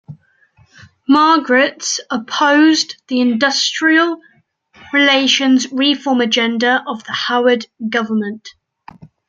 Margetts opposed the industrial relations reform agenda of the Howard Government.